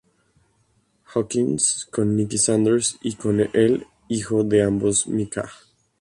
Hawkins, con Niki Sanders y con el hijo de ambos Micah.